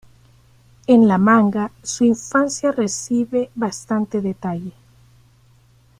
En la Manga, su infancia recibe bastante detalle.